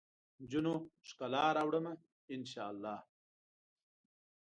نجونو ؛ ښکلا راوړمه ، ان شا اللهدا